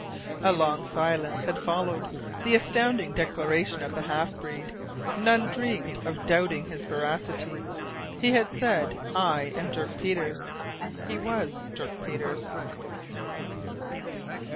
A long silence had followed the astounding declaration of the half breed. None dreamed of doubting his veracity. He had said, "I am Dirk Peters." He was Dirk Peters.